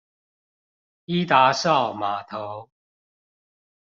伊達邵碼頭